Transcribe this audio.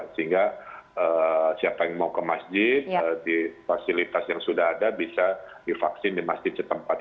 sehingga siapa yang mau ke masjid di fasilitas yang sudah ada bisa divaksin di masjid setempat